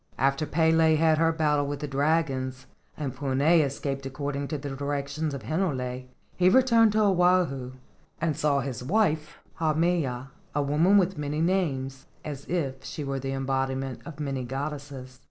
After Pele had her battle with the dragons, and Puna had escaped according to the directions of Hinole, he returned to Oahu and saw his wife, Haumea, a woman with many names, as if she were the embodiment of many goddesses.